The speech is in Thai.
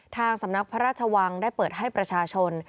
ทางสำนักพระราชวังได้เปิดให้ประชาชน